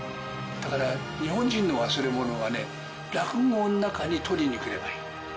だから、日本人の忘れ物はね、落語の中に取りにくればいい。